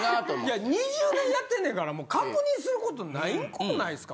いや２０年やってんねんからもう確認することないことないですか。